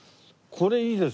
これいいです。